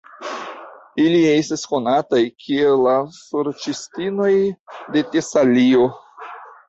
Ili estas konataj kiel la Sorĉistinoj de Tesalio.